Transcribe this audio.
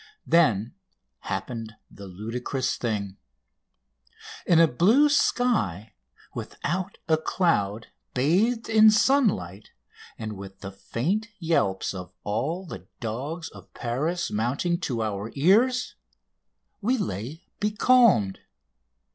Then happened the ludicrous thing. In a blue sky without a cloud, bathed in sunlight, and with the faint yelps of all the dogs of Paris mounting to our ears, we lay becalmed!